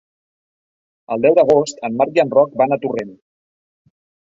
El deu d'agost en Marc i en Roc van a Torrent.